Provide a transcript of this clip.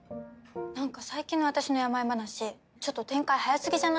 なんか最近の私の病話ちょっと展開早すぎじゃない？